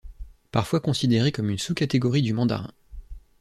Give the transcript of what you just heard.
Parfois considéré comme une sous-catégorie du mandarin.